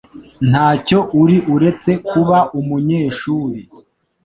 Ntacyo uri uretse kuba umunyeshuri.